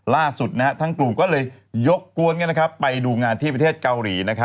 ล่าสุดทั้งกลุ่มก็เลยยกกวนไปดูงานที่ประเทศเกาหลี